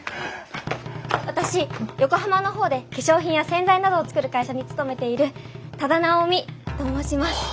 私横浜の方で化粧品や洗剤などを作る会社に勤めている多田直美と申します。